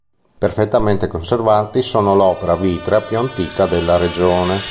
Perfettamente conservati sono l'opera vitrea più antica della regione.